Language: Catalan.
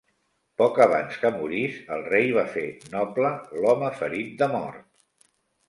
Poc abans que morís, el rei va fer noble l'home ferit de mort.